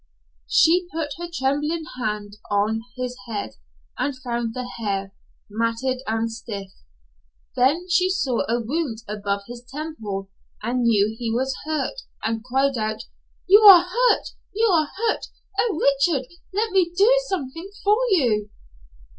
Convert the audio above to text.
She put her trembling hand on his head and found the hair matted and stiff. Then she saw a wound above his temple, and knew he was hurt, and cried out: "You are hurt you are hurt! Oh, Richard! Let me do something for you."